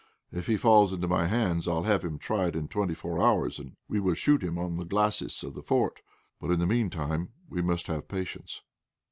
If he falls into my hands I'll have him tried in twenty four hours, and we will shoot him on the glacis of the fort. But in the meantime we must have patience."